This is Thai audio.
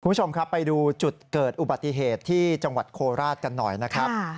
คุณผู้ชมครับไปดูจุดเกิดอุบัติเหตุที่จังหวัดโคราชกันหน่อยนะครับ